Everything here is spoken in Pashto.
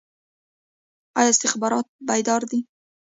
آیا استخبارات بیدار دي؟